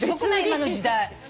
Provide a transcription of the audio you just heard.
今の時代。